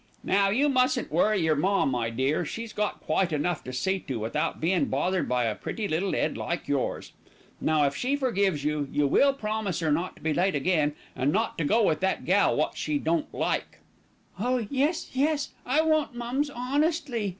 "Now, you mustn't worry yer ma, my dear. She's got quite enough to see to without bein' bothered by a pretty little 'ead like yours. Now, if she forgives you, will you promise 'er not to be late again, an' not to go with that gal wot she don't like?" "Oh, yes, yes! I won't, mums, honestly."